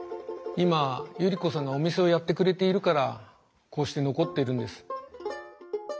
今百合子さんがお店をやってくれているからこうして残ってるんです。